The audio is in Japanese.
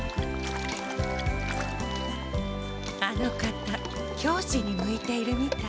あの方教師に向いているみたい。